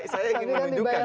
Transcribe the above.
saya ingin menunjukkan